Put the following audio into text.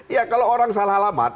ya kalau orang salah alamat